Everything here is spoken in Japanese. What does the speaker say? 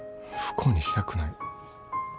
不幸にしたくない。